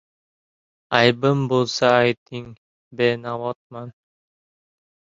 — Aybim bo‘lsa ayting, benavotman.